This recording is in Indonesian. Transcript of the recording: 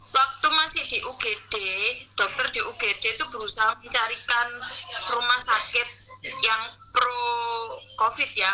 waktu masih di ugd dokter di ugd itu berusaha mencarikan rumah sakit yang pro covid ya